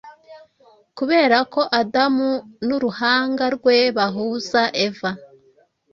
Kubera ko Adamu nuruhanga rwe bahuza Eva